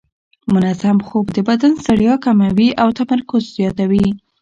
منظم خوب د بدن ستړیا کموي او تمرکز زیاتوي.